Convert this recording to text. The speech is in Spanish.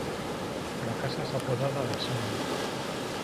La casa es apodada The Summit.